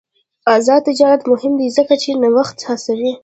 آزاد تجارت مهم دی ځکه چې نوښت هڅوي.